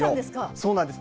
そうなんです。